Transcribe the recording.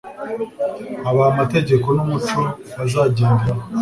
abaha amategeko n'umuco bazagenderaho